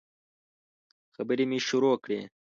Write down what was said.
خبري مي شروع کړې !